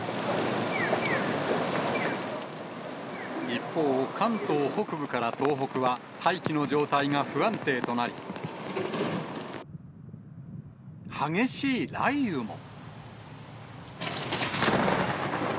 一方、関東北部から東北は、大気の状態が不安定となり、激しい雷雨も。